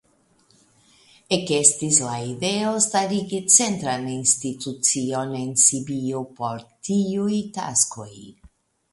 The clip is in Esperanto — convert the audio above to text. Ekestis la ideo starigi centran institucion en Sibiu por tiuj taskoj.